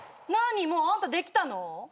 何もうあんたできたの？